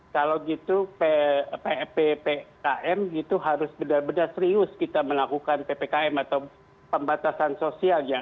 kalau gitu ppkm itu harus benar benar serius kita melakukan ppkm atau pembatasan sosial ya